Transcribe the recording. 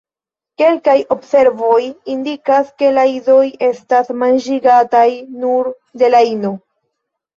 Kelkaj observoj indikas ke la idoj estas manĝigataj nur de la ino.